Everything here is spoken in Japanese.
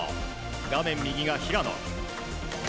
画面右が平野。